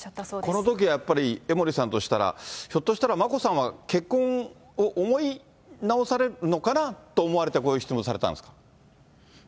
このときはやっぱり江森さんとしたら、ひょっとしたら眞子さんは結婚を思い直されるのかなと思われて、こういう質問されたんですか？